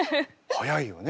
早いよね。